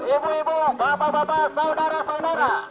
ibu ibu bapak bapak saudara saudara